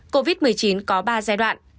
covid một mươi chín có ba giai đoạn